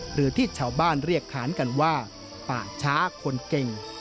หรือที่ชาวบ้านเรียกขานกันว่าป่าช้าคนเก่ง